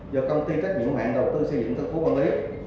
do công ty trách nhiệm hữu hạn đầu tư xây dựng tân phú quản lý